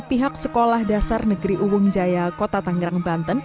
pihak sekolah dasar negeri uwung jaya kota tangerang banten